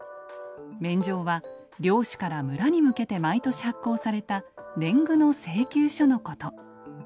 免定は領主から村に向けて毎年発行された年貢の請求書のこと。